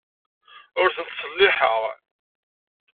Ur ten-ttselliḥeɣ.